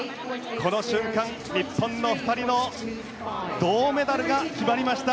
この瞬間、日本の２人の銅メダルが決まりました！